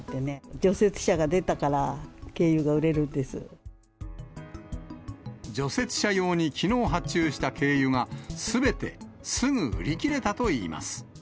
除雪車が出たから、軽油が売れる除雪車用にきのう発注した軽油が、すべて、すぐ売り切れたといいます。